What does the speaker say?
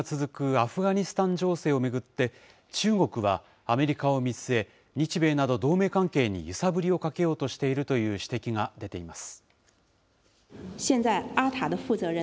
アフガニスタン情勢を巡って、中国はアメリカを見据え、日米など同盟関係に揺さぶりをかけようとしているという指摘が出ています。